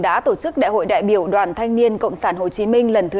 đã tổ chức đại hội đại biểu đoàn thanh niên cộng sản hồ chí minh lần thứ năm